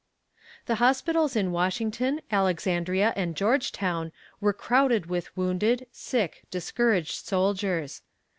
The hospitals in Washington, Alexandria and Georgetown were crowded with wounded, sick, discouraged soldiers.